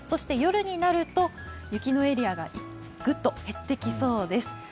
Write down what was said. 夜になると、雪のエリアがぐっと減ってきそうです。